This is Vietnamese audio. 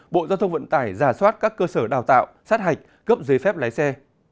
bộ giao thông vận tải giả soát các cơ sở đào tạo sát hạch cấp giấy phép lái xe